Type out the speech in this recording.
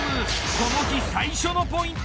この日最初のポイント。